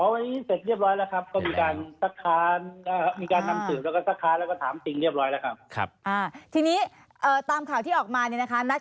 อ๋อวันนี้เสร็จเรียบร้อยแล้วครับ